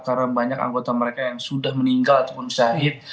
karena banyak anggota mereka yang sudah meninggal ataupun syahid